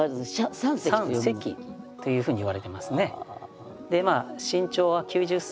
「三尺」というふうにいわれてますね。